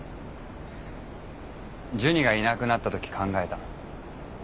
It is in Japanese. ジュニがいなくなった時考えた。